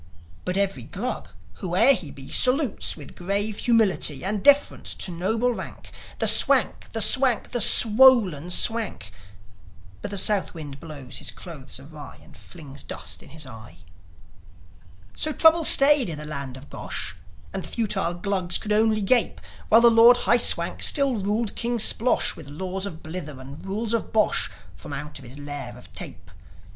But every Glug, whoe'er he be, Salutes, with grave humility And deference to noble rank, The Swank, the Swank, the swollen Swank; But the South wind blows his clothes awry, And flings dust in his eye. So trouble stayed in the land of Gosh; And the futile Glugs could only gape, While the Lord High Swank still ruled King Splosh With laws of blither and rules of bosh, From out his lair of tape.